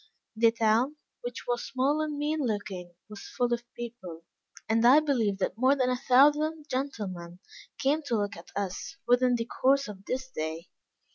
The town, which was small and mean looking, was full of people, and I believe that more than a thousand gentlemen came to look at us within the course of this day.